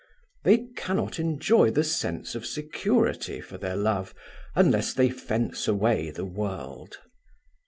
They cannot enjoy the sense of security for their love unless they fence away the world.